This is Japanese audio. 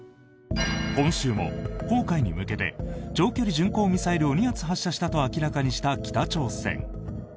今週も黄海に向けて長距離巡航ミサイルを２発発射したと明らかにした北朝鮮。